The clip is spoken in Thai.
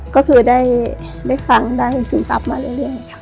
ก็คือได้ได้ฟังได้ซึมทรัพย์มาเรื่อย